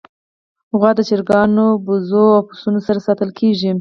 غوا د چرګانو، وزو، او پسونو سره ساتل کېږي.